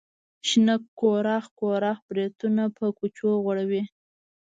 شنه کوړاخ کوړاخ بریتونه په کوچو غوړوي.